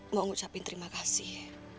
mau ngucapin terima kasih